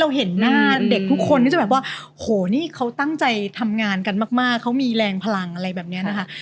เห็นหน้าเด็กทุกคนที่จะแบบว่าโหนี่เขาตั้งใจทำงานกันมากเขามีแรงพลังอะไรแบบนี้นะคะ